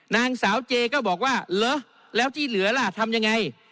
นางสาวเจก็บอกว่าเหรอแล้วที่เหลือล่ะทำยังไง